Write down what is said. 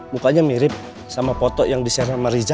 mukanya mirip sama foto yang diserang sama riza